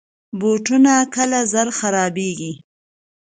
بوټونه کله زر خرابیږي.